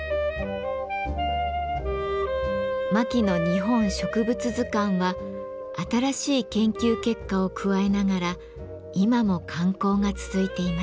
「牧野日本植物図鑑」は新しい研究結果を加えながら今も刊行が続いています。